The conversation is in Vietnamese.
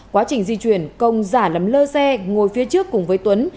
quá trình di chuyển công giả lấm lơ xe ngồi phía trước cùng với tuấn